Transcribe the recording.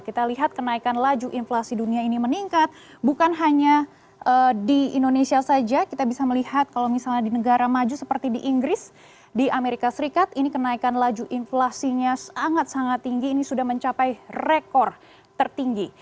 kita lihat kenaikan laju inflasi dunia ini meningkat bukan hanya di indonesia saja kita bisa melihat kalau misalnya di negara maju seperti di inggris di amerika serikat ini kenaikan laju inflasinya sangat sangat tinggi ini sudah mencapai rekor tertinggi